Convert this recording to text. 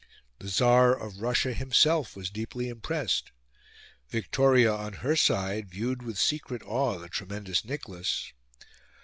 The Tsar of Russia himself was deeply impressed. Victoria on her side viewed with secret awe the tremendous Nicholas.